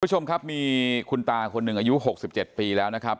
ประชมครับมีคุณตาคนนึงอายุ๖๗ปีแล้วนะครับ